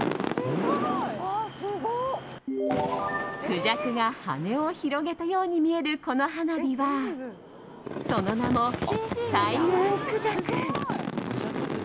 クジャクが羽を広げたように見える、この花火はその名も、彩雲孔雀。